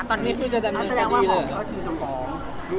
อันนี้คุณจะดำเนินคดีเลยหรือ